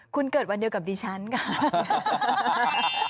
คุณเกิดวันเดียวกับดิฉันค่ะ